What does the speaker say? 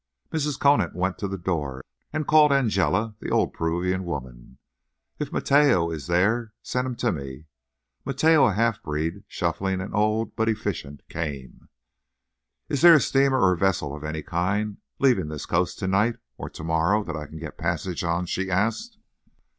_ Mrs. Conant went to the door and called Angela, the old Peruvian woman. "If Mateo is there send him to me." Mateo, a half breed, shuffling and old but efficient, came. "Is there a steamer or a vessel of any kind leaving this coast to night or to morrow that I can get passage on?" she asked.